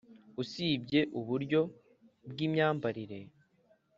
Usibye uburyo bw’imyambarire,